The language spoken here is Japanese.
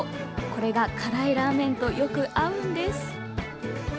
これが辛いラーメンとよく合うんです。